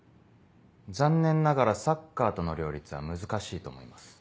残念ながらサッカーとの両立は難しいと思います。